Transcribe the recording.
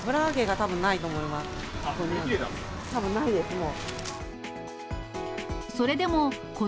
たぶんないです、もう。